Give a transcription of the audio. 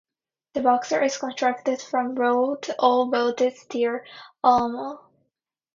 The Boxer is constructed from rolled all-welded steel armour.